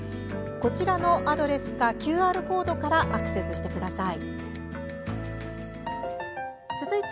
こちらのアドレスかＱＲコードからアクセスしてください。